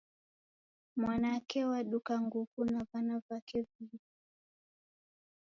Mwanake waduka nguku na vana vake viw'i.